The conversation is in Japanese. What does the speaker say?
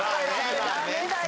ダメだよ。